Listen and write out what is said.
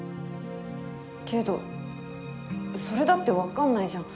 けどそれだってわかんないじゃん。